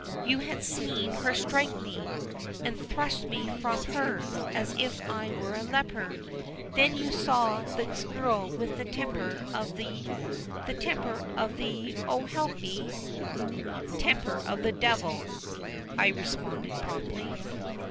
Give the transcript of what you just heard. You had seen her strike me, and thrust me from her as if I were a leper. Then you saw this girl with the temper of the the temper of the oh, help me " "Temper of the devil," I responded promptly.